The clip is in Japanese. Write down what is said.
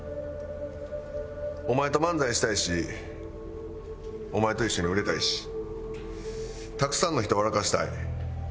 お前と漫才したいしお前と一緒に売れたいしたくさんの人笑かしたい。